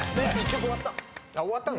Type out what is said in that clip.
１曲終わった。